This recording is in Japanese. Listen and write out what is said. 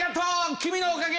君のおかげや！